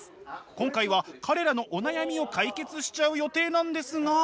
今回は彼らのお悩みを解決しちゃう予定なんですが。